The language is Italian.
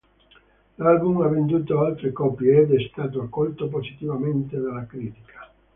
L'album ha venduto oltre copie, ed è stato accolto positivamente dalla critica.